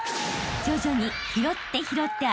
［徐々に］